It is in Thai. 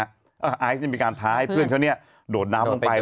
แล้วไอซมีการท้าให้เพื่อนเขาโดดหน้ามไปลงไปอยู่